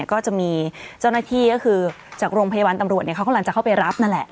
ก็จะมีเจ้าหน้าที่ก็คือจากโรงพยาบาลตำรวจเขากำลังจะเข้าไปรับนั่นแหละ